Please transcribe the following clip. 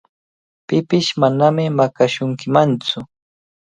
Pipish manami maqashunkimantsu.